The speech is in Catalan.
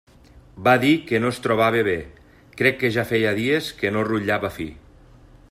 Va dir que no es trobava bé, crec que ja feia dies que no rutllava fi.